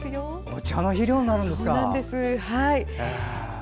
お茶の肥料になるんですか。